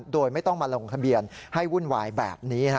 โดยไม่ต้องมาลงทะเบียนให้วุ่นวายแบบนี้